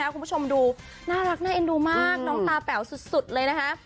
คุณผู้ชมดูน่ารักน่าเอ็นดูมากน้องตาแป๋วสุดเลยนะคะ